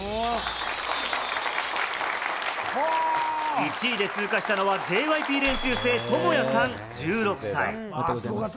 １位で通過したのは、ＪＹＰ練習生・トモヤさん１６歳。